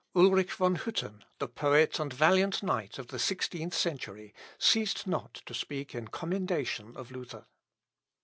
Ulric von Hütten, the poet and valiant knight of the sixteenth century, ceased not to speak in commendation of Luther.